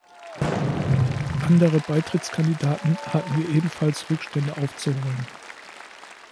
Andere Beitrittskandidaten hatten hier ebenfalls Rückstände aufzuholen.